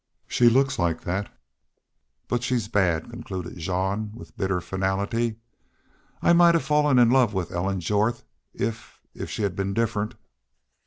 "She looks like that, but she's bad," concluded Jean, with bitter finality. "I might have fallen in love with Ellen Jorth if if she'd been different."